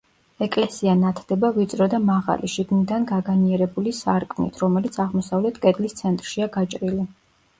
ეკლესია ნათდება ვიწრო და მაღალი, შიგნიდან გაგანიერებული სარკმლით, რომელიც აღმოსავლეთ კედლის ცენტრშია გაჭრილი.